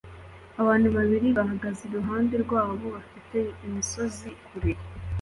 abantu babiri bahagaze iruhande rwabo bafite imisozi kure